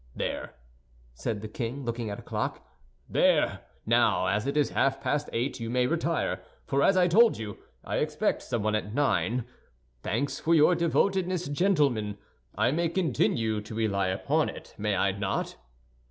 "There," said the king, looking at a clock, "there, now, as it is half past eight, you may retire; for as I told you, I expect someone at nine. Thanks for your devotedness, gentlemen. I may continue to rely upon it, may I not?"